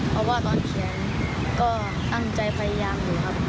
เพราะว่าตอนเขียนก็ตั้งใจพยายามอยู่ครับ